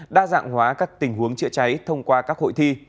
đa dạng hóa các tình huống chữa cháy thông qua các hội thi